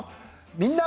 「みんな！